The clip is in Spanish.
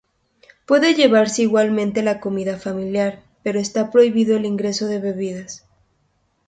Puede llevarse igualmente la comida familiar, pero esta prohibido el ingreso de bebidas.